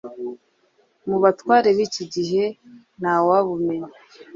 Mu batware b’iki gihe nta wabumenye;